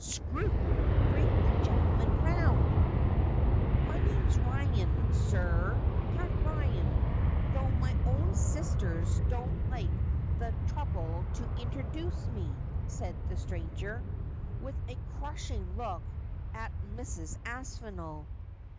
' Scroope, bring the gentleman round.' ' My name's Eyan, surr — Pat Eyan, — though my own sistei don't take the tbrouble to introjooce me,' said the stranger, witb a crushing look at Mrs. Aspinall.